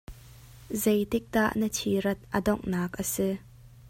Zei tik dah na thi rat a donghnak a si?